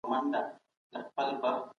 که ته غواړې بریالی شې نو تحقیق وکړه.